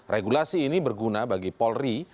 regulasi ini berguna bagi polri